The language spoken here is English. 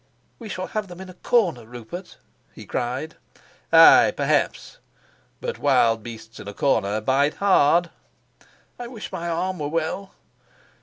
"We shall have them in a corner, Rupert," he cried. "Ay, perhaps. But wild beasts in a corner bite hard." "I wish my arm were well!"